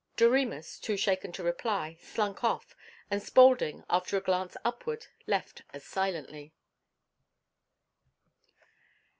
Doremus, too shaken to reply, slunk off, and Spaulding after a glance upward, left as silently.